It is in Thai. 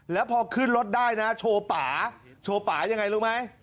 แล้วพอขึ้นรถได้นะโชว์ป่าโชว์ป่ายังไงรู้ไหม